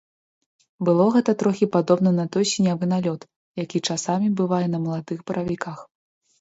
Было гэта трохі падобна на той сінявы налёт, які часамі бывае на маладых баравіках.